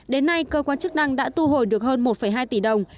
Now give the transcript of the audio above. đến nay cơ quan chức năng đã thu hồi được hơn một hai tỷ đồng